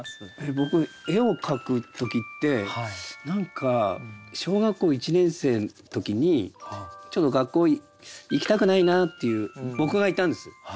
僕絵を描く時って何か小学校１年生の時にちょっと学校行きたくないなっていう僕がいたんです。